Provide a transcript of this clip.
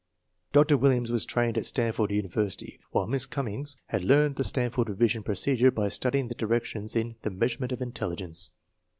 Dr. Williams was trained at Stanford University, while Miss Cummings had learned the Stanford Revision procedure by studying the directions in The Measurement of Intelligence.